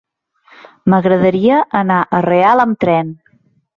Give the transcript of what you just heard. M'agradaria anar a Real amb tren.